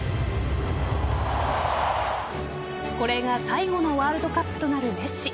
これが最後のワールドカップとなるメッシ。